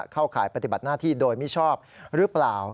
ข่ายปฏิบัติหน้าที่โดยมิชอบหรือเปล่า